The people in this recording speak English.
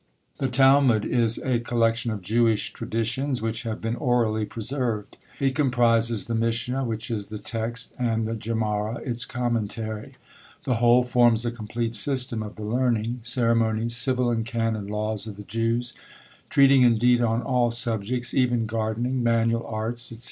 The TALMUD is a collection of Jewish traditions which have been orally preserved. It comprises the MISHNA, which is the text; and the GEMARA, its commentary. The whole forms a complete system of the learning, ceremonies, civil and canon laws of the Jews; treating indeed on all subjects; even gardening, manual arts, &c.